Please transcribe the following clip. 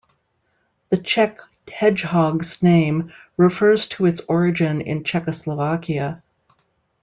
The Czech hedgehog's name refers to its origin in Czechoslovakia.